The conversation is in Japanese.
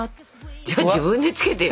じゃあ自分でつけてよ。